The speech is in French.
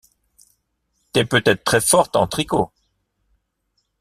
T'es peut-être très forte en tricot.